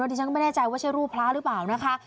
ดิฉันก็ไม่แน่ใจว่าใช่รูปพระหรือเปล่านะคะ